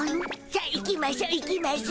さあ行きましょ行きましょ。